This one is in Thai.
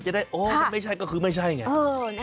จะได้ไม่ใช่ก็คือไม่ใช่่งี้